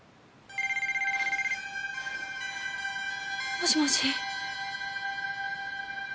もしもし？